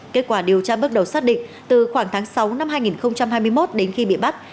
kết quả điều tra bước đầu xác định từ khoảng tháng sáu năm hai nghìn hai mươi một đến khi bị bắt